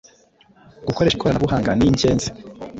Gukoresha ikoranabuhanga ni ingenzi.